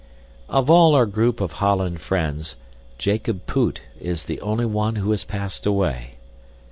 Of all our group of Holland friends, Jacob Poot is the only one who has passed away.